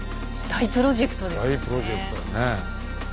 大プロジェクトだね。